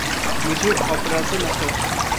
मुझे ऑपेरा से नफ़रत है।